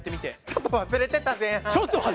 ちょっと忘れてた前半。